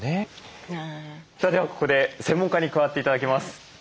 さあではここで専門家に加わって頂きます。